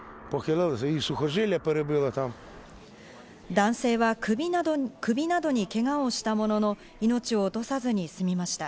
男性は首などにけがをしたものの、命を落とさずに済みました。